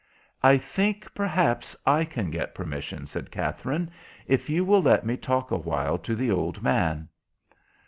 "I think perhaps I can get permission," said Katherine, "if you will let me talk a while to the old man."